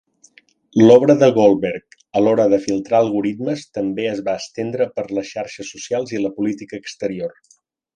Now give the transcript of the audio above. L'obra de Goldberg a l'hora de filtrar algoritmes també es va estendre per les xarxes socials i la política exterior.